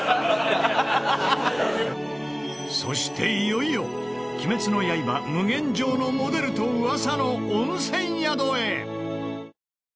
そしていよいよ『鬼滅の刃』無限城のモデルと噂の温泉宿へ！